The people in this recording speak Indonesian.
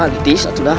lidih satu dah